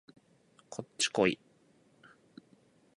こっちこい